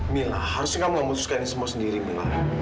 mila harusnya kamu gak memutuskan ini semua sendiri mila